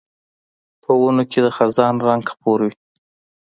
په ونو کې د خزان رنګ خپور وي